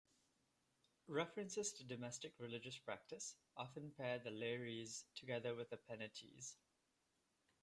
References to domestic religious practice often pair the Lares together with the Penates.